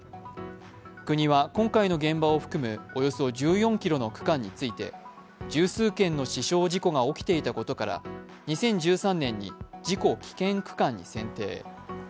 国は、今回の現場を含むおよそ１４ｋｍの区間について、十数件の死傷事故が起きていたことから２０１３年に事故危険区間に選定。